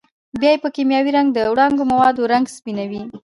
بیا یې په کېمیاوي رنګ وړونکو موادو رنګ سپینوي.